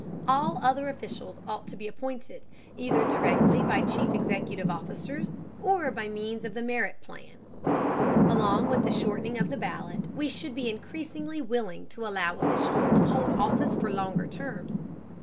All other officials ought to be appointed, either directly by chief executive officers, or by means of the merit plan. Along with the shortening of the ballot, we should be increasingly willing to allow officials to hold office for longer terms.